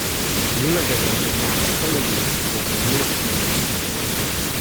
Eurovision is not affiliated with the European Union.